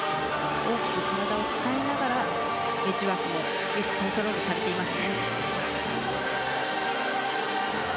大きく体を使いながらエッジワークもコントロールされています。